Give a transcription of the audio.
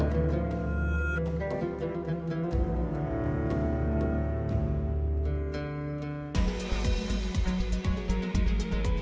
terus setiap tahun ini kita bisa menggunakan hunian